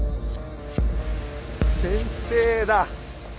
先生だ！